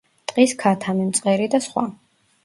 ტყის ქათამი, მწყერი და სხვა.